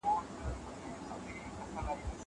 لوستل د زده کوونکي له خوا کيږي.